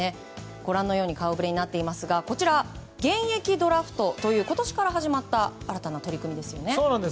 ご覧のような顔ぶれになっていますがこちら、現役ドラフトという今年から始まった新たな取り組みですよね。